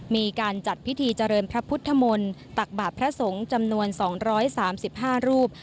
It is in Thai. มีการจัดพิธีเจริญพระพุทธมนตร์ตักบาทพระสงฆ์จำนวน๒๓๕รูป